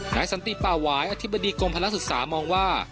สันติป่าหวายอธิบดีกรมพลักษึกษามองว่า